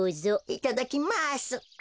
いただきます。